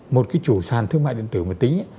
một cái chủ sàn thương mại điện tử mà tính